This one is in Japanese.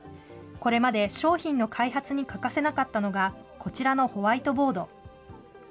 これまで商品の開発に欠かせなかったのが、こちらのホワイトボード。